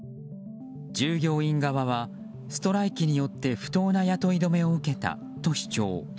従業員側はストライキによって不当な雇い止めを受けたと主張。